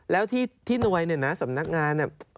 แล้วที่หน่วยเนี่ยนะสำนักงานเนี่ย